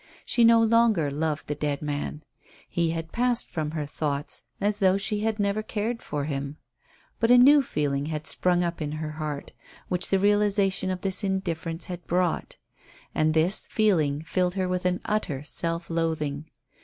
She no longer loved the dead man; he had passed from her thoughts as though she had never cared for him. But a new feeling had sprung up in her heart which the realization of this indifference had brought. And this feeling filled her with an utter self loathing.